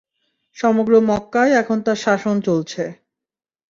সমগ্র মক্কায় এখন তার শাসন চলছে।